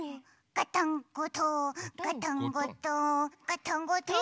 ガタンゴトーンガタンゴトーンガタンゴトーン。